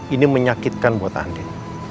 ini menyakitkan buat andin